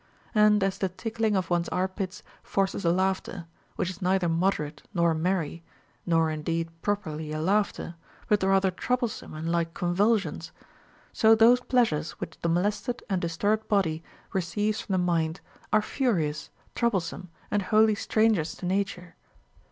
And as the tickling of one's armpits forces a laughter, which is neither mode rate nor merry, nor indeed properly a laughter, but ratl; er troublesome and like convulsions ; so those pleasures Avhich the molested and disturbed body receives from the mind are furious, troublesome, and wholly strangers to nature.